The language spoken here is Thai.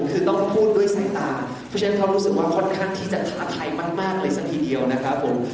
คือต้องพูดด้วยสายตาเพราะฉะนั้นเขารู้สึกว่าค่อนข้างที่จะท้าทายมากเลยสักทีเดียวนะครับผม